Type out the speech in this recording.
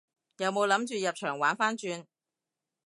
有冇諗住入場玩番轉？